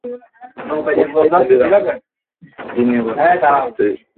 কি নিয়ে বকবক করছিস?